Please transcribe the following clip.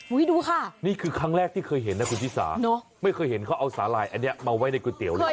ดูค่ะนี่คือครั้งแรกที่เคยเห็นนะคุณชิสาไม่เคยเห็นเขาเอาสาหร่ายอันนี้มาไว้ในก๋วยเตี๋ยวเลย